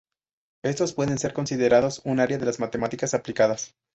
Éstos pueden ser considerados un área de las matemáticas aplicadas.